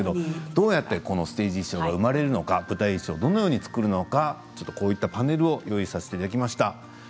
どうやってこのステージ衣装が生まれるのか舞台演出をどういうふうに作るのかパネルを用意させていただきました。